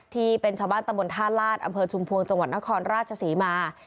ที่เป็นชาวบ้านตำบลท่าลาศอำเภอชุมพวงจังหวัดนครราชศรีมา